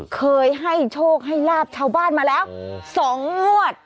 เคยให้โชคให้ลาบชาวบ้านมาแล้ว๒งวด